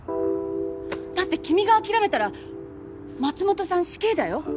だって君が諦めたら松本さん死刑だよ？